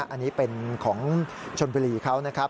อันนี้เป็นของชนบุรีเขานะครับ